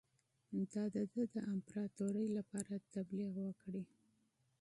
د ده د امپراطوری لپاره تبلیغ وکړي.